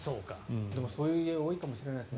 でも、そういう家多いかもしれないですね。